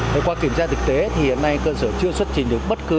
và qua kiểm tra thực tế thì hiện nay cơ sở chưa xuất trình được bất cứ